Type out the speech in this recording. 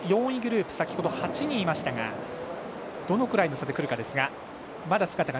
４位グループが先ほど８人いましたがどのくらいの差で来るか。